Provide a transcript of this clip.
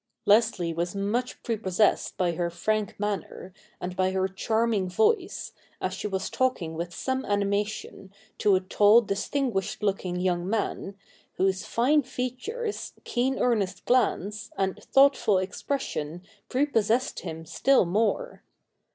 Leslie was much prepossessed by her frank manner, and by her charming voice, as she was talking with some animation to a tall distinguished looking young man, whose fine features, keen earnest glance, and thoughtful expression prepossessed him still more.